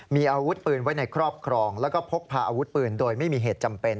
มีอาวุธปืนไว้ในครอบครองแล้วก็พกพาอาวุธปืนโดยไม่มีเหตุจำเป็น